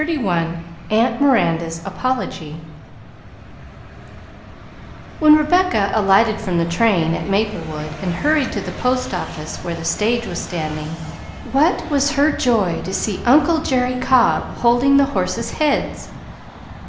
"_ XXXI AUNT MIRANDA'S APOLOGY When Rebecca alighted from the train at Maplewood and hurried to the post office where the stage was standing, what was her joy to see uncle Jerry Cobb holding the horses' heads.